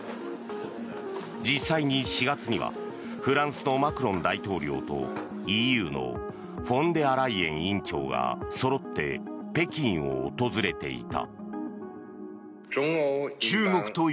実際に４月にはフランスのマクロン大統領とＥＵのフォンデアライエン委員長がそろって北京を訪れていた。